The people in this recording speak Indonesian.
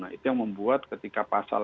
nah itu yang membuat ketika pasal